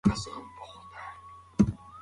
ماشوم په ډېرې وېرې سره خپلې انا ته وکتل.